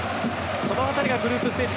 その辺りがグループステージ